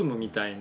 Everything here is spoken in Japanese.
な